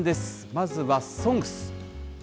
まずはＳＯＮＧＳ。